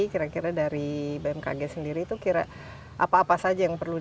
kira kira dari bmkg sendiri itu kira apa apa saja yang perlu